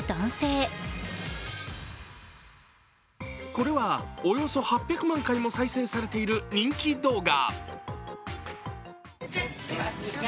これは、およそ８００万回も再生されている人気動画。